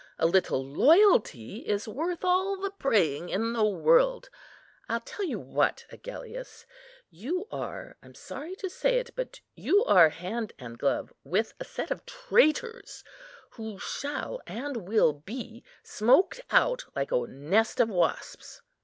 A little loyalty is worth all the praying in the world. I'll tell you what, Agellius; you are, I am sorry to say it, but you are hand and glove with a set of traitors, who shall and will be smoked out like a nest of wasps.